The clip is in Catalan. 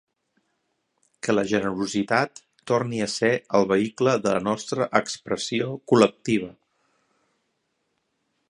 Que la generositat torni a ser el vehicle de la nostra expressió col·lectiva.